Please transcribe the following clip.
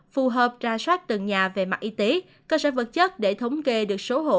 phù hợp ra soát từng nhà về mặt y tế cơ sở vật chất để thống kê được số hộ